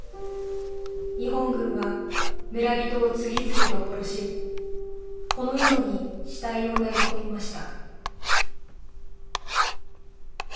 日本軍は村人を次々と殺しこの井戸に死体を投げ込みました